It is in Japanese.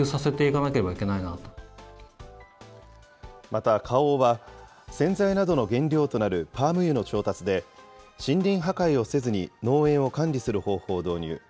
また、花王は、洗剤などの原料となるパーム油の調達で、森林破壊をせずに農園を管理する方法を導入。